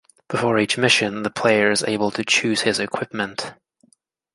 Before each mission the player is able to choose his equipment.